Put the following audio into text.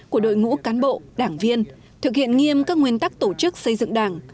của đội ngũ cán bộ đảng viên thực hiện nghiêm các nguyên tắc tổ chức xây dựng đảng